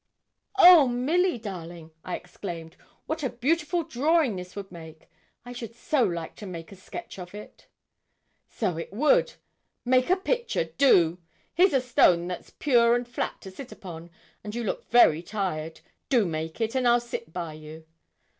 'Oh, Milly darling!' I exclaimed, 'what a beautiful drawing this would make! I should so like to make a sketch of it.' 'So it would. Make a picture do! here's a stone that's pure and flat to sit upon, and you look very tired. Do make it, and I'll sit by you.'